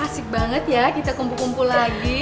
asik banget ya kita kumpul kumpul lagi